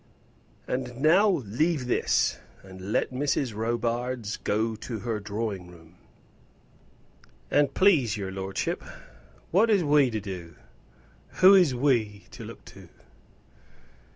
"And now leave this, and let Mrs. Robarts go into her drawing room." "And, please your lordship, what is we to do? Who is we to look to?"